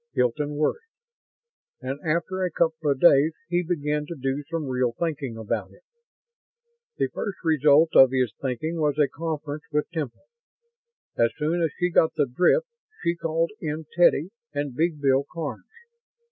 Hilton worried. And after a couple of days he began to do some real thinking about it. The first result of his thinking was a conference with Temple. As soon as she got the drift, she called in Teddy and Big Bill Karns.